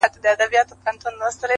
او په خمارو ماښامونو کي به ځان ووينم”